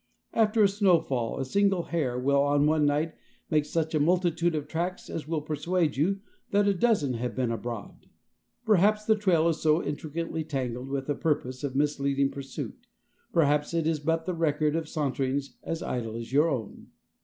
After a snowfall a single hare will in one night make such a multitude of tracks as will persuade you that a dozen have been abroad. Perhaps the trail is so intricately tangled with a purpose of misleading pursuit, perhaps it is but the record of saunterings as idle as your own.